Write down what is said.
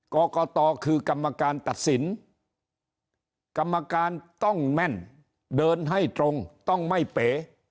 กรกตคือกรรมการตัดสินกรรมการต้องแม่นเดินให้ตรงต้องไม่เป๋